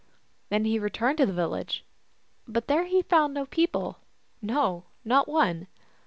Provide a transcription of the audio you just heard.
Then he returned to the village ; but there he found no people, no, not one.